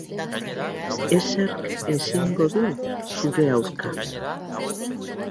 Ezerk ezingo du zure aurka.